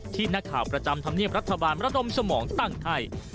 ที่นักข่าวประจำธรรมเนียบรัฐบาลระดมสมองตั้งให้